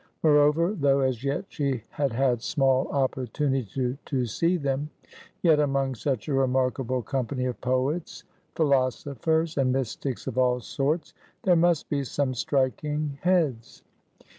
Moreover, though as yet she had had small opportunity to see them; yet among such a remarkable company of poets, philosophers, and mystics of all sorts, there must be some striking heads.